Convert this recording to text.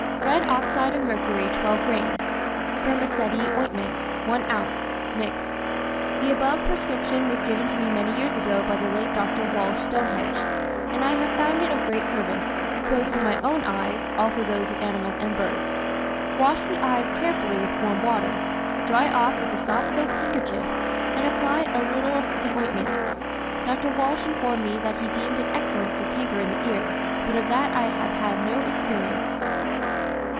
Red oxide of mercury, 12 grains; spermaceti ointment, 1 oz. Mix. The above prescription was given to me many years ago by the late Dr. Walsh (Stonehenge), and I have found it of great service, both for my own eyes, also those of animals and birds. Wash the eyes carefully with warm water, dry off with a soft silk handkerchief, and apply a little of the ointment. Dr. Walsh informed me that he deemed it excellent for canker in the ear, but of that I have had no experience.